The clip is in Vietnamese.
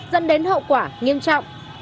dẫn đến hậu quả nghiêm trọng